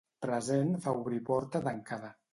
Present fa obrir porta tancada.